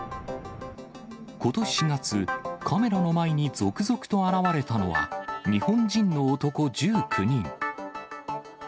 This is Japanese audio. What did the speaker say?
ことし４月、カメラの前に続々と現れたのは、日本人の男１９人。